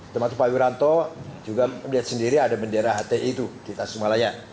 tempat pak wiranto juga melihat sendiri ada bendera hti itu di tasikmalaya